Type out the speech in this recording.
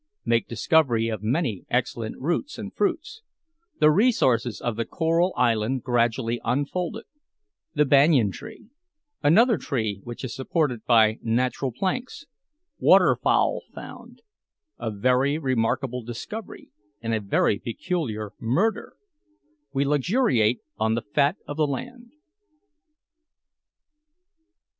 MAKE DISCOVERY OF MANY EXCELLENT ROOTS AND FRUITS THE RESOURCES OF THE CORAL ISLAND GRADUALLY UNFOLDED THE BANYAN TREE ANOTHER TREE WHICH IS SUPPORTED BY NATURAL PLANKS WATER FOWL FOUND A VERY REMARKABLE DISCOVERY, AND A VERY PECULIAR MURDER WE LUXURIATE ON THE FAT OF THE LAND.